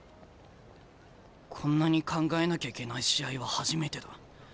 こんなに考えなきゃいけない試合は初めてだ。